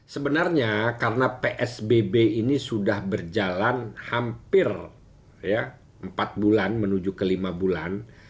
sebenarnya karena psbb ini sudah berjalan hampir empat bulan menuju ke lima bulan